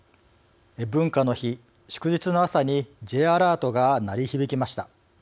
文化の日、祝日の朝にＪアラートが鳴り響きました。